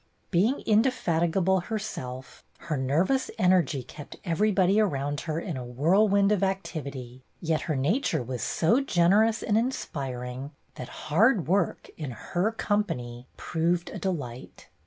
Being indefatigable her self, her nervous energy kept everybody around 14 BETTY BAIRD'S GOLDEN YEAR her in a whirlwind of activity, yet her nature was so generous and inspiring that hard work in her company proved a delight.